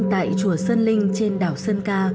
tại chùa sơn linh trên đảo sơn ca